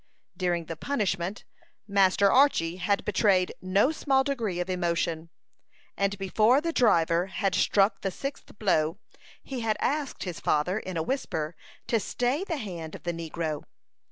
During the punishment Master Archy had betrayed no small degree of emotion, and before the driver had struck the sixth blow he had asked his father, in a whisper, to stay the hand of the negro.